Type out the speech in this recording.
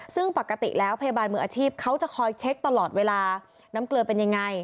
ซึ่งปกติแล้วพยาบาลมืออาชีพเขาจะคอยเช็คตลอดเวลาน้ำเกลือเป็นยังไง